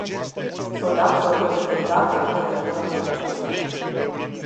Sunt absolut încântat în legătură cu aceasta.